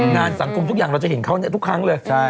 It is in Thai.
งานสังคมทุกอย่างเราจะเห็นเขาทุกครั้งเลย